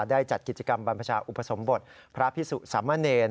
ได้จัดกิจกรรมบรรพชาอุปสมบทพระพิสุสามะเนร